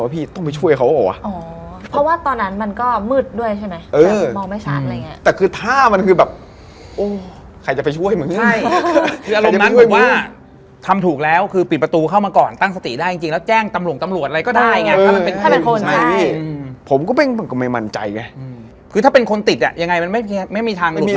เพราะตอนแรกผมเพ่งมากเลยครับพี่